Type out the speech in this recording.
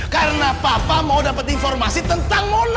karena papa mau dapet informasi tentang mona